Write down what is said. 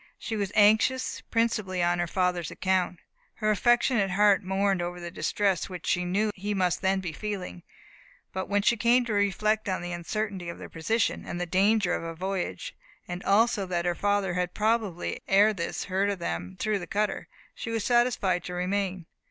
She was anxious, principally, on her father's account. Her affectionate heart mourned over the distress which she knew he must then be feeling; but when she came to reflect on the uncertainty of their position, and the danger of a voyage, and also that her father had probably ere this heard of them through the cutter, she was satisfied to remain.